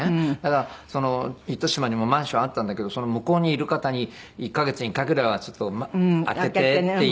だから糸島にもマンションあったんだけど向こうにいる方に１カ月に１回ぐらいはちょっと開けてって。